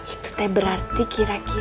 itu teh berarti kira kira